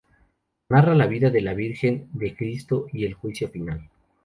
Narra la vida de la Virgen, de Cristo y el Juicio Final.